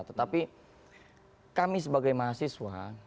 tetapi kami sebagai mahasiswa